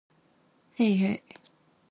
へいへい